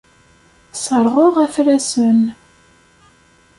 Sserɣeɣ afrasen.